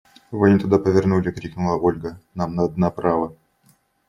– Вы не туда повернули, – крикнула Ольга, – нам надо направо!